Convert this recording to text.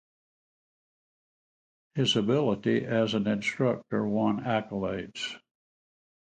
His ability as an instructor won accolades.